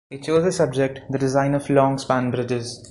He chose the subject 'The Design of Long Span Bridges'.